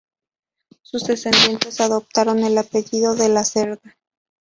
Sus descendientes adoptaron el apellido de la Cerda.